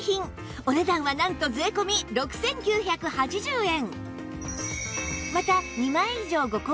お値段はなんと税込６９８０円